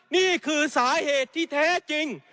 นี่คือสาเหตุที่แท้จริง